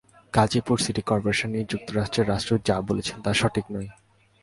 Gazipur city নির্বাচন নিয়ে যুক্তরাষ্ট্রের রাষ্ট্রদূত যা বলেছেন তা সঠিক নয়।